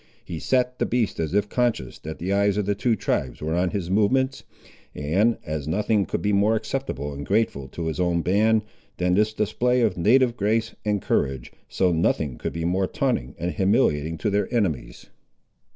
He sat the beast as if conscious that the eyes of two tribes were on his movements; and as nothing could be more acceptable and grateful to his own band, than this display of native grace and courage, so nothing could be more taunting and humiliating to their enemies.